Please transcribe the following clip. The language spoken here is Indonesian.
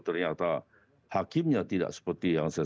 ternyata hakimnya tidak seperti yang saya